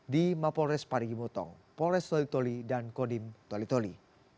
di mapolres pari gimutong polres toli toli dan kodim toli toli